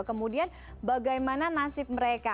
kemudian bagaimana nasib mereka